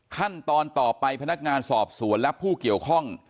ขั้นตอนต่อไปพนักงานสอบสวนและผู้เกี่ยวข้อง